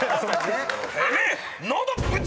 てめえ」